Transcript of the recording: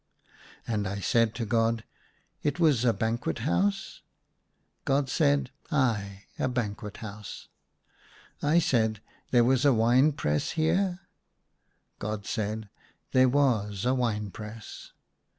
And I said to God, " It was a banquet house ?" God said, " Ay, a banquet house." I said, "There was a wine press here?" God said, " There was a wine press."